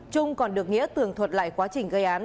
trung còn được nghĩa tường thuật lại quá trình gây án